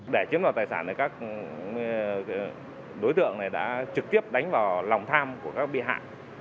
để chiếm đoạt tài sản đối tượng này đã trực tiếp đánh vào lòng tham của các bị hại